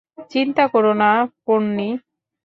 চিন্তা কোরো না, পোন্নি।